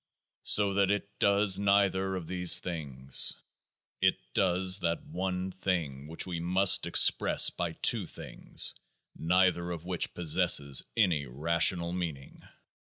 So that IT does neither of these things. IT does THAT one thing which we must express by two things neither of which possesses any rational meaning.